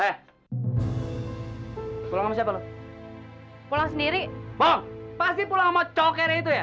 eh pulang sama siapa lu pulang sendiri mau pasti pulang mau cokernya itu ya